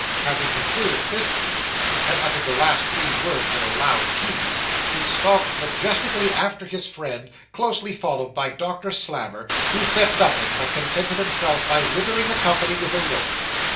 Having concluded this speech, and uttered the last three words in a loud key, he stalked majestically after his friend, closely followed by Doctor Slammer, who said nothing, but contented himself by withering the company with a look.